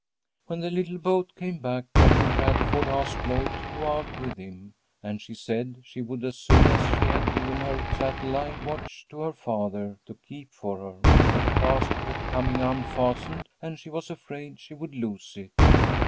"When the little boat came back, Doctor Bradford asked Lloyd to go out with him, and she said she would as soon as she had given her chatelaine watch to her father to keep for her. The clasp kept coming unfastened and she was afraid she would lose it."